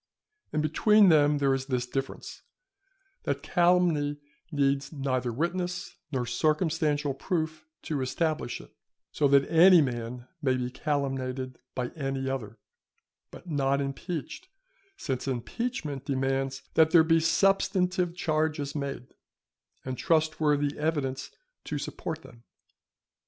And between them there is this difference, that calumny needs neither witness, nor circumstantial proof to establish it, so that any man may be calumniated by any other; but not impeached; since impeachment demands that there be substantive charges made, and trustworthy evidence to support them.